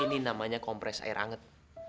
ini namanya kompres air anget